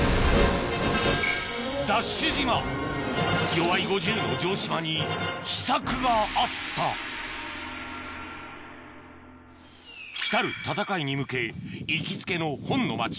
よわい５０の城島に秘策があった来る戦いに向け行きつけの本の町